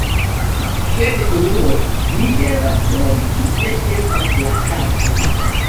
Sed unue mi devas trovi kie estas la kato